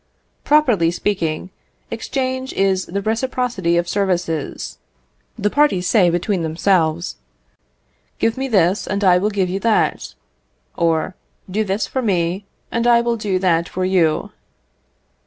Properly speaking, exchange is the reciprocity of services. The parties say between themselves, "Give me this, and I will give you that;" or, "Do this for me, and I will do that for you."